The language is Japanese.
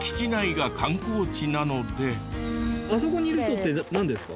あそこにいる人ってなんですか？